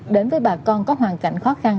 đến với bà con có hoàn cảnh khó khăn